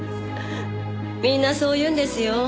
みんなそう言うんですよ。